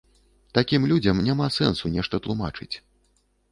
Такім людзям няма сэнсу нешта тлумачыць.